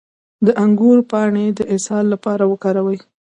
د انګور پاڼې د اسهال لپاره وکاروئ